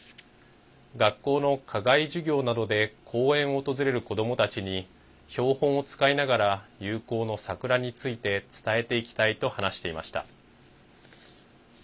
学校の課外授業などで公園を訪れる子どもたちに標本を使いながら友好の桜について伝えていきたいと話していました。